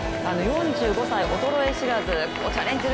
４５歳、衰え知らずチャレンジ